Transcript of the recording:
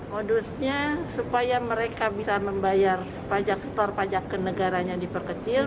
modusnya supaya mereka bisa membayar pajak store pajak ke negaranya diperkecil